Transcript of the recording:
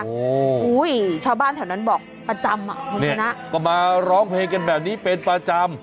โอ้โหอุ้ยชาวบ้านแถวนั้นบอกประจำอ่ะคุณชนะก็มาร้องเพลงกันแบบนี้เป็นประจำ